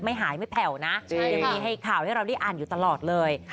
ไม่หายไม่แผ่วนะยังมีให้ข่าวให้เราได้อ่านอยู่ตลอดเลย